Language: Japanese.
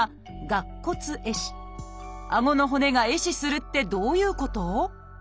顎の骨が壊死するってどういうこと？